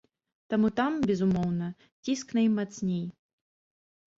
Таму там, безумоўна, ціск наймацней.